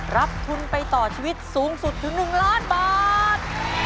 รับทุนไปต่อชีวิตสูงสุดถึง๑ล้านบาท